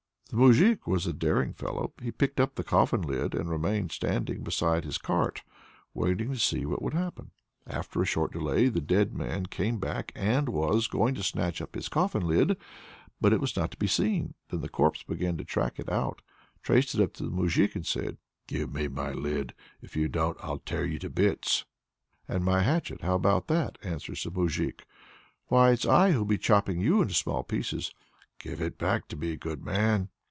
The moujik was a daring fellow. He picked up the coffin lid and remained standing beside his cart, waiting to see what would happen. After a short delay the dead man came back, and was going to snatch up his coffin lid but it was not to be seen. Then the corpse began to track it out, traced it up to the moujik, and said: "Give me my lid: if you don't, I'll tear you to bits!" "And my hatchet, how about that?" answers the moujik. "Why, it's I who'll be chopping you into small pieces!" "Do give it back to me, good man!"